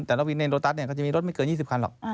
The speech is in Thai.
ระวินในโลตัสเนี่ยก็จะมีรถไม่เกิน๒๐คันหรอก